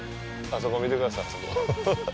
あそこ、見てください、あそこ。